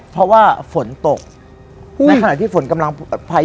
พวกเราอองสวย